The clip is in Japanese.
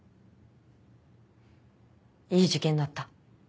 いい受験だった。